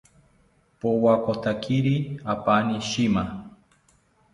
Powakotakiri apani shima